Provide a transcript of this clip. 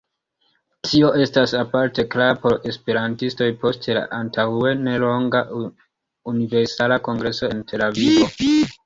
Tio estas aparte klara por esperantistoj post la antaŭnelonga Universala Kongreso en Tel-Avivo.